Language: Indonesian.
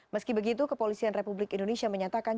meski begitu kepolisian republik indonesia menyatakan